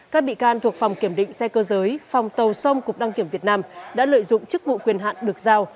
các bị can thuộc phòng kiểm định xe cơ giới phòng tàu sông cục đăng kiểm việt nam đã lợi dụng chức vụ quyền hạn được giao